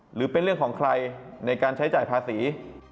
หรือเป็นเรื่องของใครในการใช้จ่ายภาษี